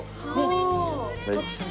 徳さん